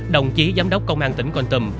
đồng chí giám đốc công an tỉnh con tùm